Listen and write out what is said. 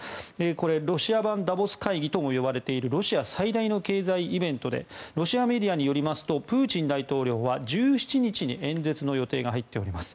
これ、ロシア版ダボス会議とも呼ばれているロシア最大の経済イベントでロシアメディアによりますとプーチン大統領は１７日に演説の予定が入っております。